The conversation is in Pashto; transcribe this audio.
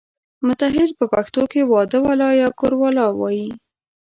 متاهل په پښتو کې واده والا یا کوروالا وایي.